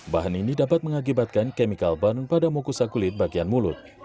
bahan ini dapat mengakibatkan chemical ban pada mukusa kulit bagian mulut